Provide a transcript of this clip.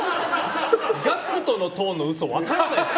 ＧＡＣＫＴのトーンの嘘分からないですよ。